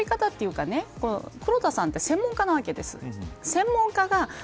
切り取り方というか黒田さんって専門家なわけです。